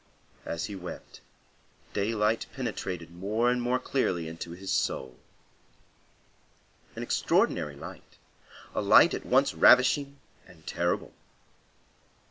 As he wept, daylight penetrated more and more clearly into his soul; an extraordinary light; a light at once ravishing and terrible.